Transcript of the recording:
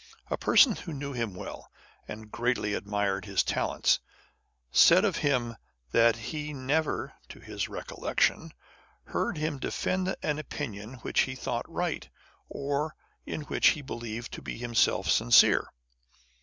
A person who knew him well, and greatly admired his talents, said of him that he never (to his recollection) heard him defend an opinion which he thought right, or in which he believed him to be himself sincere.